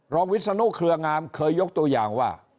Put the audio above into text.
วิศนุเครืองามเคยยกตัวอย่างว่า